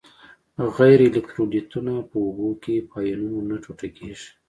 غیر الکترولیتونه په اوبو کې په آیونونو نه ټوټه کیږي.